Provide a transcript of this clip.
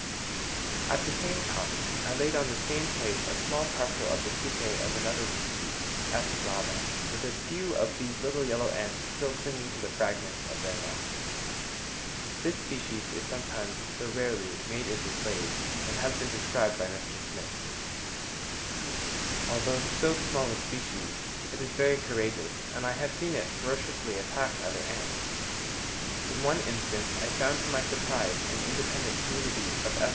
At the same time I laid on the same place a small parcel of the pupæ of another species, F. flava, with a few of these little yellow ants still clinging to the fragments of their nest. This species is sometimes, though rarely, made into slaves, as has been described by Mr. Smith. Although so small a species, it is very courageous, and I have seen it ferociously attack other ants. In one instance I found to my surprise an independent community of F.